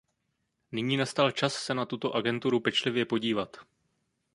Nyní nastal čas se na tuto agenturu pečlivě podívat.